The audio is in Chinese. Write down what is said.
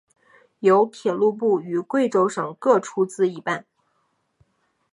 由铁道部与贵州省各出资一半。